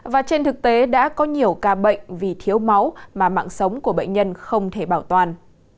và trên thực tế đã có nhiều ca bệnh vì thiếu máu mà mạng sống của bệnh nhân không thể bảo toàn